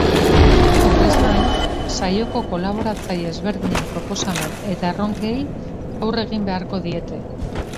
Horrez gain, saioko kolaboratzaile ezberdinen proposamen eta erronkei aurre egin beharko diete.